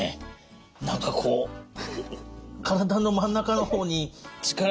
何かこう体の真ん中の方に力が入りますね。